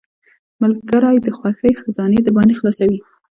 ملګری د خوښۍ خزانې درباندې خلاصوي.